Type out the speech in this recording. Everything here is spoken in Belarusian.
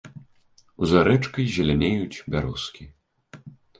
За рэчкай зелянеюць бярозкі.